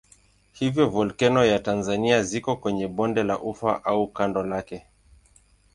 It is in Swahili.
Hivyo volkeno za Tanzania ziko kwenye bonde la Ufa au kando lake.